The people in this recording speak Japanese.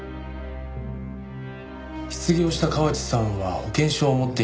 失業した河内さんは保険証を持っていなかった。